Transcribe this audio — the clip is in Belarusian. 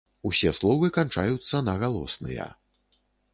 Усе словы канчаюцца на галосныя.